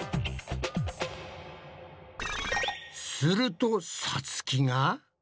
するとさつきが。